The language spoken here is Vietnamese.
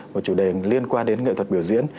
một chủ đề liên quan đến nghệ thuật biểu diễn